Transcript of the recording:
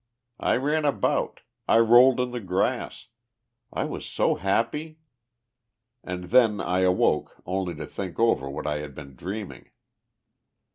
I ran about. I rolled in the grass. I was so happy. And then I awoke only to think over what I had been dreaming.